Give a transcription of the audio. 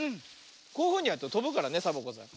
こういうふうにやるととぶからねサボ子さん。